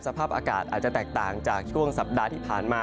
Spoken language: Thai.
สภาพอากาศอาจจะแตกต่างจากช่วงสัปดาห์ที่ผ่านมา